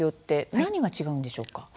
何が違うんでしょうか。